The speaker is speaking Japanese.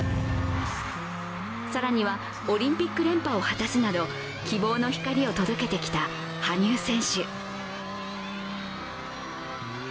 更にはオリンピック連覇を果たすなど、希望の光を届けてきた羽生選手。